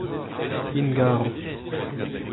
int 'garo.